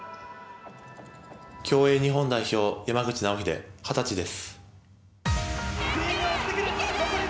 競泳日本代表、山口尚秀二十歳です。